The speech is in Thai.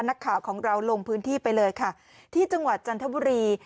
นักข่าวของเราลงพื้นที่ไปเลยค่ะที่จังหวัดจันทบุรี